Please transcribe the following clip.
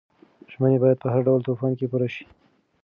ژمنې باید په هر ډول طوفان کې پوره شي.